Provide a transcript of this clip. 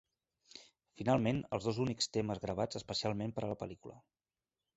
Finalment, els dos únics temes gravats especialment per a la pel·lícula.